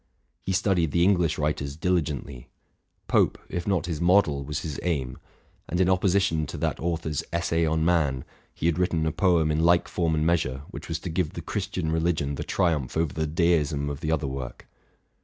He studied the English writers diligently: Pope, if not his model, was his aim; and, in opposition to that author's '* Essay on Man," he had writ ten a poem in like form and measure, which was to give the Christian religion the triumph over the deism of the other work.